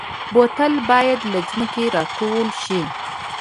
بوتل باید له ځمکې راټول شي.